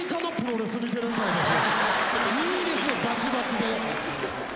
いいですねバチバチで。